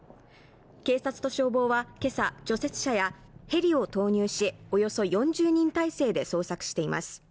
警察と消防は今朝除雪車やヘリを投入しおよそ４０人態勢で捜索しています